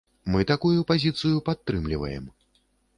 Мы такую пазіцыю падтрымліваем.